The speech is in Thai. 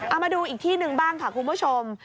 เอามาดูอีกที่หนึ่งบ้างค่ะคุณผู้ชม